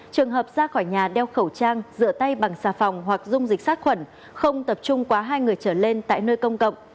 trường hợp ra khỏi nhà đeo khẩu trang rửa tay bằng xà phòng hoặc dung dịch sát khuẩn không tập trung quá hai người trở lên tại nơi công cộng